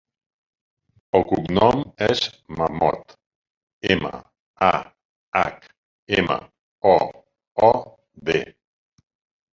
El cognom és Mahmood: ema, a, hac, ema, o, o, de.